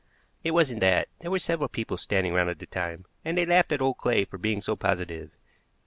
"It wasn't that. There were several people standing round at the time, and they laughed at old Clay for being so positive.